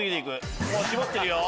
もう絞ってるよ！